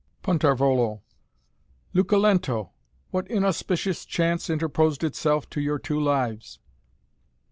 "Punt. Luculento! What inauspicious chance interposed itself to your two lives?